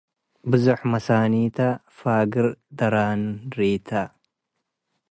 ብዞሕ መሳኒተ፣ ፋግር ደረንሪተ።